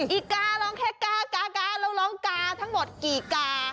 อีการ้องแค่กากาเราร้องกาทั้งหมดกี่กา